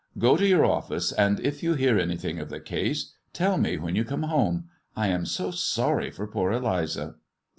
Go to your office^ and you hear anything of the case, tell me when you home. I am so sorry for poor Eliza."